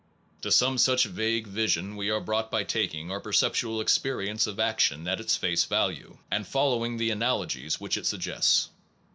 To some such vague vision are we brought by taking our perceptual experience of action at its face value, and following the analogies which it suggests.